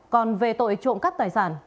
còn về tội trộm cắt tài sản